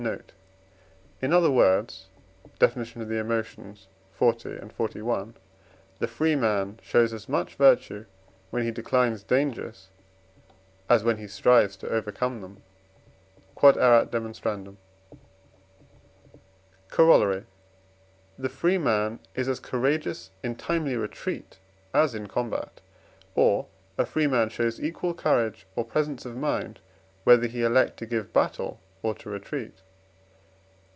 note); in other words (Def. of the Emotions, xl. and xli.), the free man shows as much virtue, when he declines dangers, as when he strives to overcome them. Q.E.D. Corollary. The free man is as courageous in timely retreat as in combat; or, a free man shows equal courage or presence of mind, whether he elect to give battle or to retreat.